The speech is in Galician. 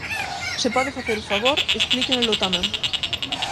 Se pode facer o favor, explíquenolo tamén.